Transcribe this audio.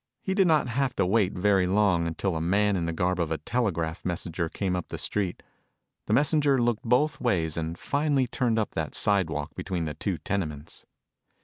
He did not have to wait very long until a man in the garb of a telegraph messenger came up the street. The messenger looked both ways and finally turned up that sidewalk between the two tenements.